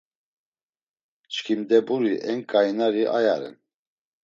Çkimdeburi en ǩainari aya ren.